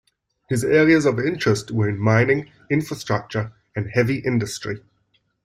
His areas of interest were in mining, infrastructure and heavy industry.